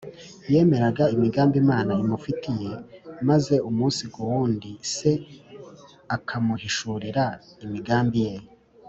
Yemeraga imigambi Imana imufitiye maze umunsi ku wundi Se akamuhishurira imigambi Ye